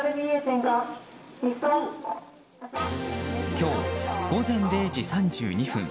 今日午前０時３２分